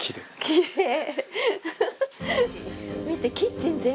きれい！